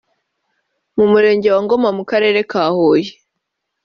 mu Murenge wa Ngoma mu Karere ka Huye